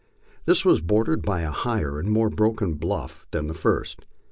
This was boidered by a higher and more broken bluff than the first.